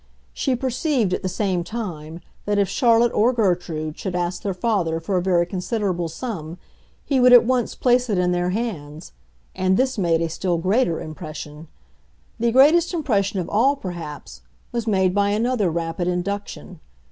She perceived at the same time that if Charlotte or Gertrude should ask their father for a very considerable sum he would at once place it in their hands; and this made a still greater impression. The greatest impression of all, perhaps, was made by another rapid induction.